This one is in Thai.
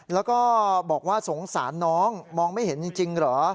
แล้วก็บอกว่าสงสารน้องมองไม่เห็นจริงเหรอ